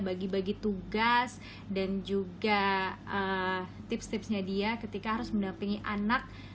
bagi bagi tugas dan juga tips tipsnya dia ketika harus mendampingi anak